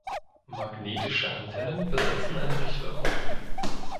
Magnetische Antennen besitzen eine Richtwirkung.